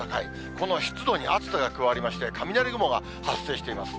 この湿度に暑さが加わりまして、雷雲が発生しています。